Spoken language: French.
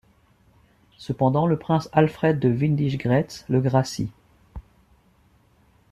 Cependant, le prince Alfred de Windisch-Graetz le gracie.